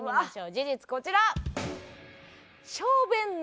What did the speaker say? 事実こちら！